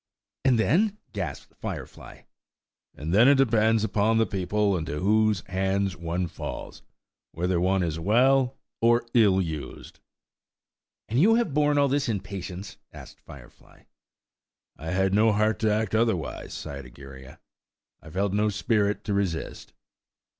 "And then?" gasped Firefly. "And then it depends upon the people into whose hands one falls, whether one is well or ill used." "And you have borne all this in patience?" asked Firefly. "I had no heart to act otherwise," sighed Egeria. "I felt no spirit to resist."